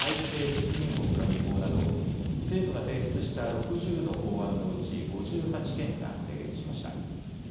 出入国管理法など政府が提出した６０の法案のうち５８件が成立しました。